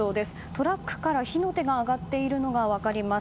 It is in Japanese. トラックから火の手が上がっているのが分かります。